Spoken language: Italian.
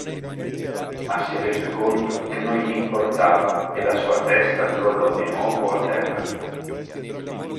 Ma si rese conto che non gli importava e la sua testa crollò di nuovo a terra.